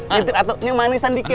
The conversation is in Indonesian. nyetip atuknya manisan dikit